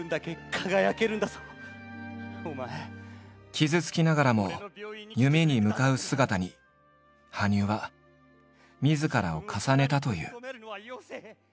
傷つきながらも夢に向かう姿に羽生はみずからを重ねたという。